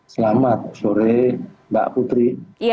selamat sore mbak putri